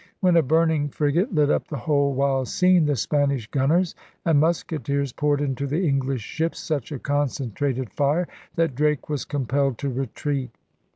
When a burning frigate lit up the whole wild scene, the Spanish gunners and musketeers poured into the English ships such a concentrated fire that Drake was compelled to retreat.